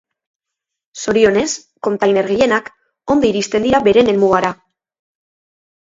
Zorionez kontainer gehienak ondo iristen dira beren helmugara.